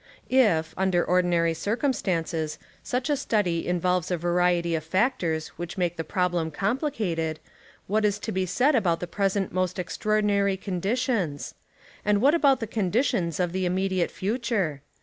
If, under ordinary circumstances, such a study involves a variety of factors which make the problem complicated, what is to be said about the present most extraordinary conditions.^ And what about conditions of the immediate future.